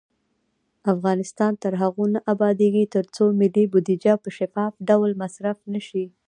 افغانستان تر هغو نه ابادیږي، ترڅو ملي بودیجه په شفاف ډول مصرف نشي.